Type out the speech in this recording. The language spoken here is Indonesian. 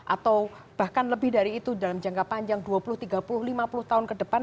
atau bahkan lebih dari itu dalam jangka panjang dua puluh tiga puluh lima puluh tahun ke depan